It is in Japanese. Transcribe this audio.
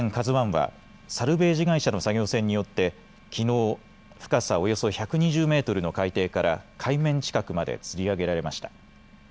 ＫＡＺＵＩはサルベージ会社の作業船によってきのう深さおよそ１２０メートルの海底から海面近くまでつり上げられました。